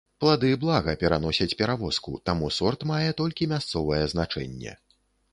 Плады блага пераносяць перавозку, таму сорт мае толькі мясцовае значэнне.